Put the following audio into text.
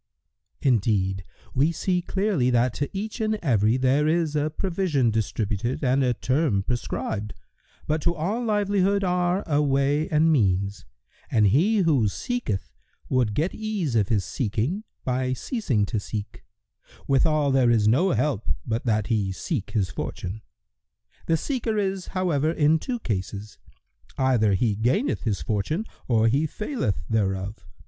"— "Indeed, we see clearly that to each and every there is a provision distributed and a term prescribed; but to all livelihood are a way and means, and he who seeketh would get ease of his seeking by ceasing to seek; withal there is no help but that he seek his fortune. The seeker is, however, in two cases: either he gaineth his fortune or he faileth thereof.